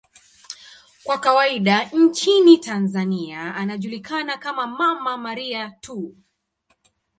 Kwa kawaida nchini Tanzania anajulikana kama 'Mama Maria' tu.